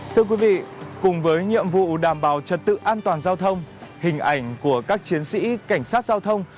thưa quý vị cùng với nhiệm vụ đảm bảo trật tự an toàn giao thông hình ảnh của các chiến sĩ cảnh sát giao thông